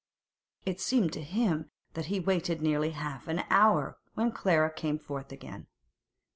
It seemed to him that he had waited nearly half an hour when Clara came forth again.